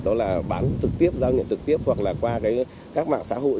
đó là bán trực tiếp giao nhận trực tiếp hoặc là qua các mạng xã hội